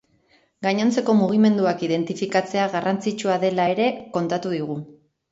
Gainontzeko mugimenduak identifikatzea garrantzitsua dela ere kontatu digu.